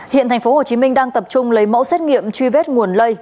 hiện tp hcm đang tập trung lấy mẫu xét nghiệm truy vết nguồn lây